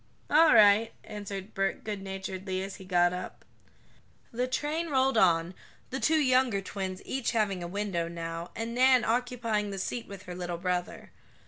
"All right," answered Bert goodnaturedly, as he got up. The train rolled on, the two younger twins each having a window now, and Nan occupying the seat with her little brother.